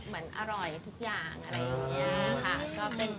เลยให้นี้